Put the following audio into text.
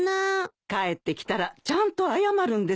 帰ってきたらちゃんと謝るんですよ。